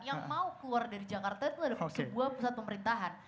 yang mau keluar dari jakarta itu adalah sebuah pusat pemerintahan